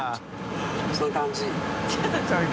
そういう感じ」